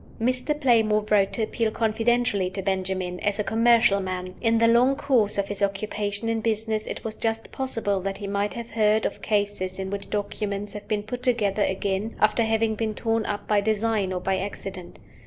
Mr. Playmore wrote to appeal confidentially to Benjamin as a commercial man. In the long course of his occupation in business, it was just possible that he might have heard of cases in which documents have been put together again after having been torn up by design or by accident.